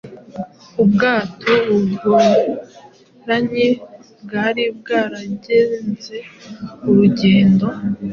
Ubwato bugoramye bwari bwaragenze urugendo